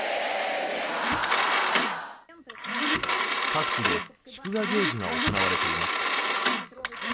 各地で祝賀行事が行われています。